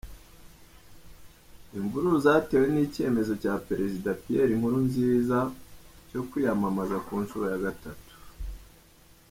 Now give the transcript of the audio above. Imvururu zatewe n’icyemezo cya perezida Pierre Nkurunziza cyo kwiyamamaza ku nshuro ya gatatu.